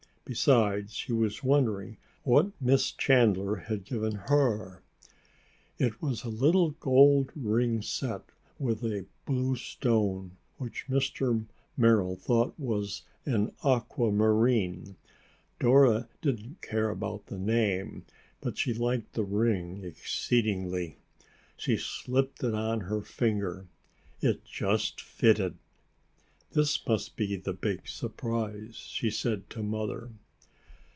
Besides, she was wondering what Miss Chandler had given her. It was a little gold ring set with a blue stone which Mr. Merrill thought was an aquamarine. Dora didn't care about the name, but she liked the ring exceedingly. She slipped it on her finger. It just fitted. "This must be the big surprise," she said to Mother.